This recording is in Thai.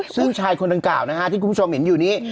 ซึ่งชายคนดังกล่าวนะฮะที่คุณผู้ชมเห็นอยู่นี้